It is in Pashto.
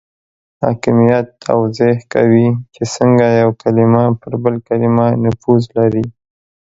حاکمیت توضیح کوي چې څنګه یو کلمه پر بل کلمه نفوذ لري.